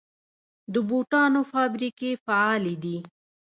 د بوټانو فابریکې فعالې دي؟